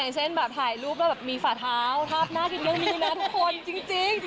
ตาอย่างเช่นถ่ายรูปแล้วมีฝาเท้าภาพหน้ากินไม่มีนะจริง